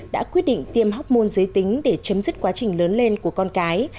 đã quyết định tiêm hóc môn giới tính để chấm dứt quá trình lớn lên của con cái